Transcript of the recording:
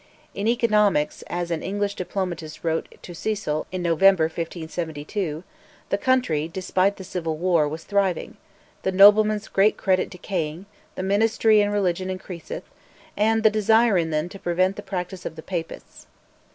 In economics, as an English diplomatist wrote to Cecil in November 1572, the country, despite the civil war, was thriving; "the noblemen's great credit decaying, ... the ministry and religion increaseth, and the desire in them to prevent the practice of the Papists."